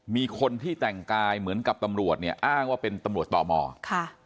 มีคนที่แต่งกายเหมือนกับตำรวจเนี่ยอ้างว่าเป็นตำรวจต่อมอค่ะ